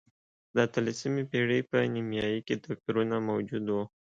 د اتلسمې پېړۍ په نییمایي کې توپیرونه موجود و.